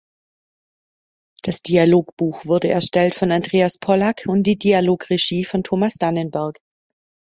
Das Dialogbuch wurde erstellt von Andreas Pollak und die Dialogregie von Thomas Dannenberg.